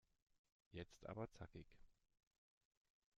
Jetzt aber zackig!